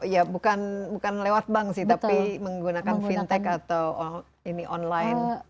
ya bukan lewat bank sih tapi menggunakan fintech atau ini online